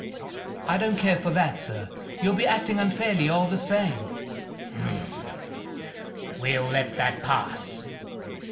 "I don't care for that, sir. You'll be acting unfairly, all the same." "We'll let that pass.